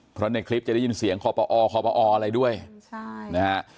เพราะในคลิปจะได้ยินเสียงขปออะไรด้วยนะฮะ